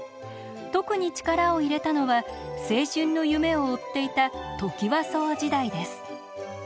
特に力を入れたのは青春の夢を追っていたトキワ荘時代です。